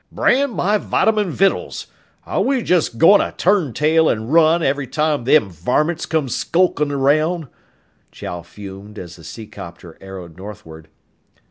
"Brand my vitamin vittles! Are we just goin' to turn tail an' run every time them varmints come skulkin' around?" Chow fumed as the seacopter arrowed northward.